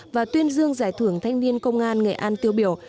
và tuyên dương giải thưởng thanh niên công an nghệ an tiêu biểu